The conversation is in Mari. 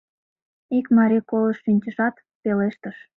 Ик марий колышт шинчышат, пелештыш: